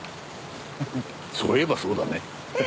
フフッそういえばそうだね。